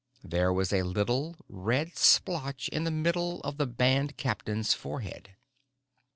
There was a little red splotch in the middle of the band captain's forehead.